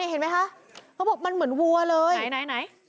เขาบอกว่ามันเหมือนวัวเลย